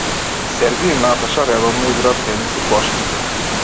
Сергеј и Наташа редовно играат тенис и кошарка.